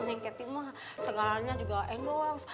neng kety mah segalanya juga endorse